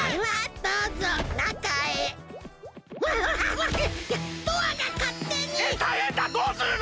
どうするの！？